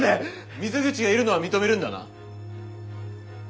水口がいるのは認めるんだな？